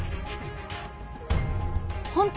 本当？